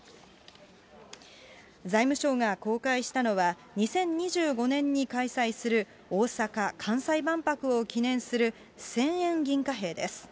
財務省が公開したのは、２０２５年に開催する大阪・関西万博を記念する千円銀貨幣です。